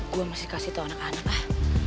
gue masih kasih tau anak anak ah